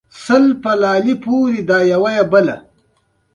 او تاريخ راته د اپلاتون خبره سمه ثابته وي،